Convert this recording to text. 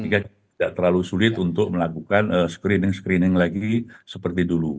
jadi tidak terlalu sulit untuk melakukan screening screening lagi seperti dulu